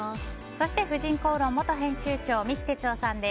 そして、「婦人公論」元編集長三木哲男さんです。